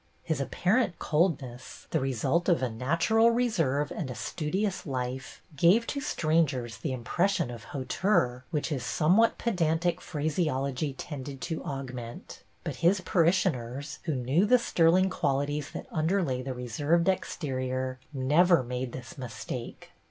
His apparent coldness, the result of a natural reserve and a studious life, gave to strangers the imjDression of hauteur, which his somewhat pedantic phraseology tended to augment ; but his parishioners, who knew the sterling qualities that under lay the reserved exterior, never made this mistake.